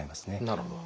なるほど。